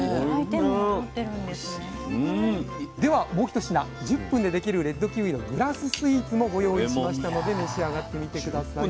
ではもう一品１０分でできるレッドキウイのグラススイーツもご用意しましたので召し上がってみて下さい。